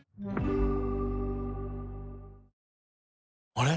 あれ？